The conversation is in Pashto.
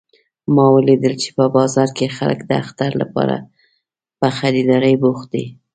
ما ولیدل چې په بازار کې خلک د اختر لپاره په خریدارۍ بوخت دي